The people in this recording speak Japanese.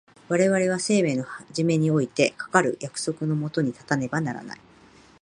我々は生命の始めにおいてかかる約束の下に立たねばならない。